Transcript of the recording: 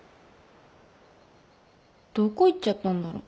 どこ行っちゃったんだろ？